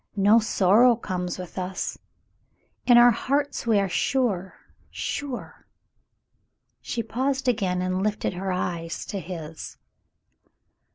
No sorrow comes with us. In our hearts we are sure — sure —'* She paused again and lifted her eyes to his.